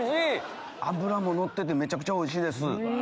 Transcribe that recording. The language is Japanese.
脂ものっててめちゃくちゃおいしいです！